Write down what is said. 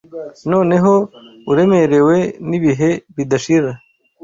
Noneho, uremerewe nibihe bidashira